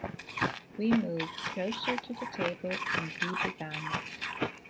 We moved closer to the table and he began.